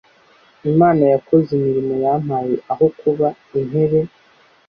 Imana yakoze imirimo, yampaye aho kuba , intebe